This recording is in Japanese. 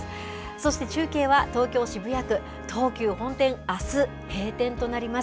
そして中継は東京・渋谷区、東急本店、あす閉店となります。